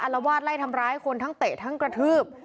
ละวาดไล่ทำร้ายคนทั้งเตะทั้งกระทืบ